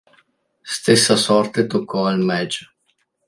Stessa sorte toccò al Maj.